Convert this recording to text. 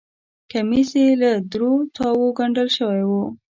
کمیس یې له درو تاوو ګنډل شوی و.